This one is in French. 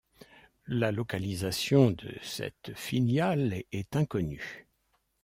La localisation de cette filiale est inconnue.